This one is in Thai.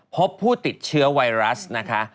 พบผู้ติดเชื้อไวรัสนะคะ